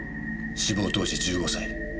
死亡当時１５歳。